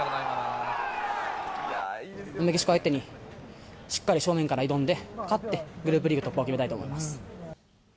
メキシコ相手にしっかり正面から挑んで、勝って、グループリーグ突破を決めたいと思います。